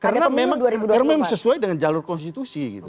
karena memang karena memang sesuai dengan jalur konstitusi gitu